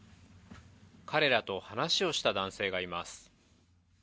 彼らと話をした男性がいます。